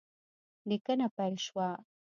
لیکنه پیل شوه